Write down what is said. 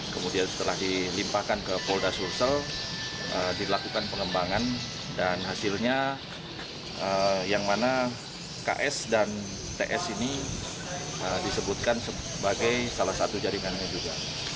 kemudian setelah dilimpahkan ke polda sulsel dilakukan pengembangan dan hasilnya yang mana ks dan ts ini disebutkan sebagai salah satu jaringannya juga